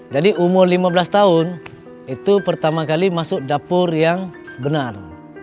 jadi umur lima belas tahun itu pertama kali masuk dapur yang benar